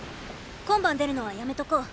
今晩出るのはやめとこう。